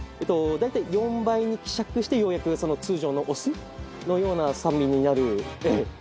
大体４倍に希釈して、ようやく通常のお酢のような酸味になる。